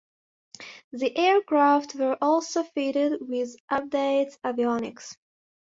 The aircraft were also fitted with updated avionics.